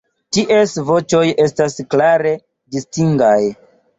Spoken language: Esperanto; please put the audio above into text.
Ties voĉoj estas klare distingaj.